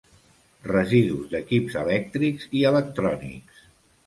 Residus d'equips elèctrics i electrònics.